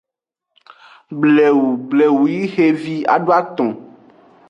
Blewu blewu yi xevi ado aton.